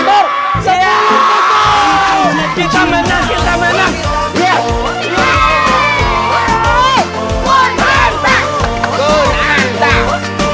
kita menang kita menang